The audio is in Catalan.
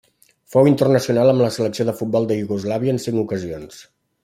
Fou internacional amb la selecció de futbol de Iugoslàvia en cinc ocasions.